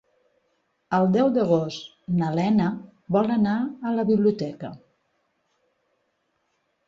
El deu d'agost na Lena vol anar a la biblioteca.